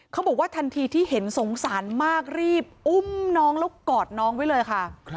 เขาบอกว่าทันทีที่เห็นสงสารมากรีบอุ้มน้องแล้วกอดน้องไว้เลยค่ะ